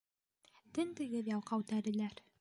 — Тентегеҙ, ялҡау тәреләр!